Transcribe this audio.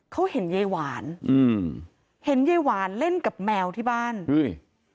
เขาเห็นยายหวานอืมเห็นยายหวานเล่นกับแมวที่บ้านเฮ้ย